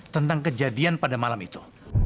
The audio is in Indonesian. tentang kejadian pada malam itu